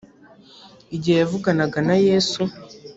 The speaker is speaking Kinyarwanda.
igihe yavuganaga na yesu